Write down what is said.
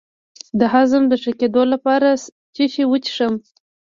د هضم د ښه کیدو لپاره څه شی وڅښم؟